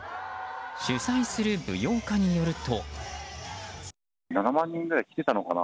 主催する舞踊家によると。